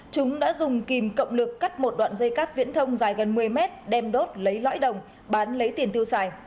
chúng đã dùng kìm cộng lực cắt một đoạn dây cáp viễn thông dài gần một mươi mét đem đốt lấy lõi đồng bán lấy tiền tiêu xài